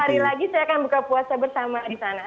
empat hari lagi saya akan buka puasa bersama di sana